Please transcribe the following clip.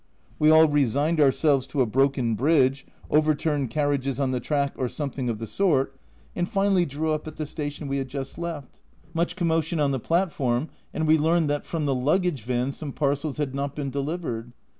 We all resigned ourselves to a broken bridge, overturned carriages on the track, or something of the sort, and io6 A Journal from Japan finally drew up at the station we had just left much commotion on the platform, and we learned that from the luggage van some parcels had not been delivered